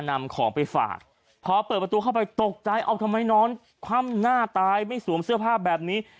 นำของไปฝากพอเปิดประตูเข้าไปตกใจเอาทำไมนอนคว่ำหน้าตายไม่สวมเสื้อผ้าแบบนี้